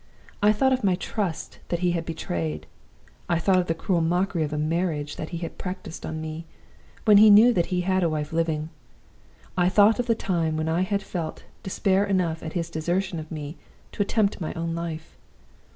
I thought of my trust that he had betrayed; I thought of the cruel mockery of a marriage that he had practiced on me, when he knew that he had a wife living; I thought of the time when I had felt despair enough at his desertion of me to attempt my own life.